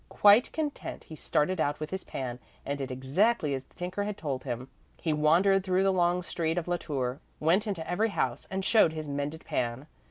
Quite content, he started out with his pan and did exactly as the tinker had told him. He wandered through the long street of La Tour, went into every house and showed his mended pan.